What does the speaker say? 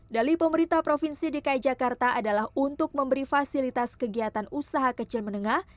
dali pemerintah provinsi dki jakarta adalah untuk memberi fasilitas kegiatan usaha kecil menengah